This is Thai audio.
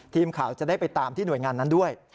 ทีมข่าวจะได้ไปตามที่หน่วยงานนั้นด้วย